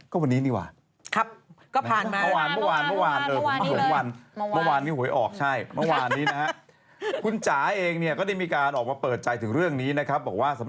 ก็วันนี้ดีกว่า